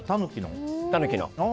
タヌキの。